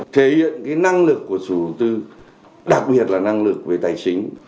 thể hiện cái năng lực của chủ tư đặc biệt là năng lực về tài chính